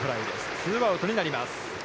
ツーアウトになります。